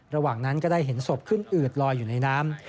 ระหว่างนั้นก็ได้เห็นศพขึ้นอืดลอยอยู่ในน้ำ